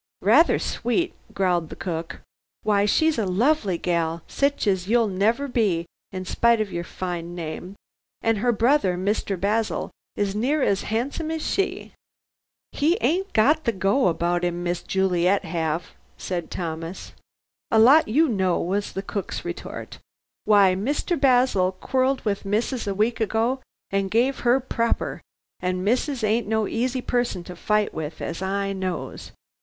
"Rather sweet," growled the cook, "why, she's a lovely gal, sich as you'll never be, in spite of your fine name. An' her brother, Mr. Basil, is near as 'andsome as she." "He ain't got the go about him Miss Juliet have," said Thomas. "A lot you know," was the cook's retort. "Why Mr. Basil quarrelled with missus a week ago and gave her proper, and missus ain't no easy person to fight with, as I knows.